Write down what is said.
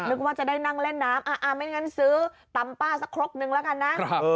นึกว่าจะได้นั่งเล่นน้ำไม่งั้นซื้อตำป้าสักครกนึงแล้วกันนะ